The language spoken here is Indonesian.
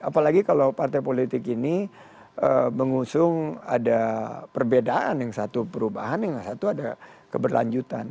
apalagi kalau partai politik ini mengusung ada perbedaan yang satu perubahan yang satu ada keberlanjutan